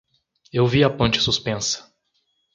Eu vi a ponte suspensa.